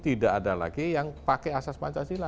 tidak ada lagi yang pakai asas pancasila